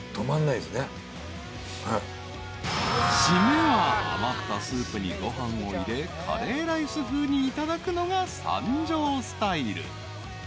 ［締めは余ったスープにご飯を入れカレーライス風にいただくのが三条スタイル］